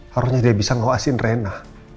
harusnya dia bisa ngawasin rena